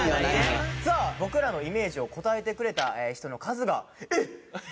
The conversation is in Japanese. さあ僕らのイメージを答えてくれた人の数がえっ！